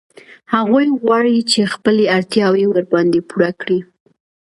هغوی غواړي چې خپلې اړتیاوې ورباندې پوره کړي